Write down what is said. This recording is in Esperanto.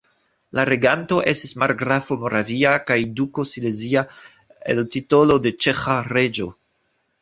La reganto estis margrafo moravia kaj duko silezia el titolo de ĉeĥa reĝo.